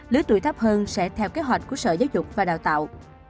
lứa tuổi thấp hơn sẽ theo kế hoạch của sở giáo dục và đào tạo